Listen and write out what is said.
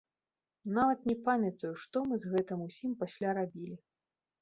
Нават не памятаю, што мы з гэтым усім пасля рабілі.